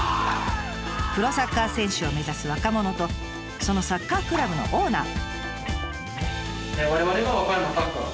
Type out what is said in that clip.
プロサッカー選手を目指す若者とそのサッカークラブのオーナー。